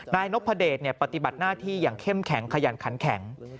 นายนพเดชปฏิบัติหน้าที่อย่างเข้มแข็งขยันขันแข็ง